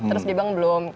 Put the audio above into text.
terus dia bilang belum